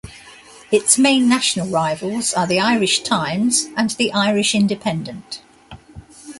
Its main national rivals are "The Irish Times", and the "Irish Independent".